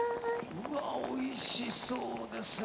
うわおいしそうですね！